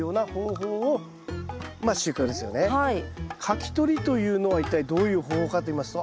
かき取りというのは一体どういう方法かといいますと。